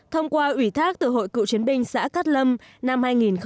thông qua ủy thác từ hội cựu chiến binh xã cát lâm năm hai nghìn một mươi tám